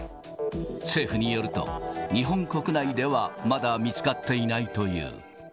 政府によると、日本国内ではまだ見つかっていないという。